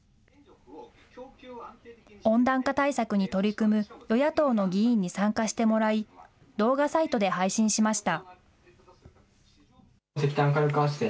温暖化対策に取り組む与野党の議員に参加してもらい、動画サイトで配信しました。